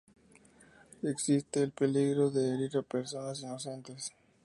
Existe el peligro de herir a personas inocentes.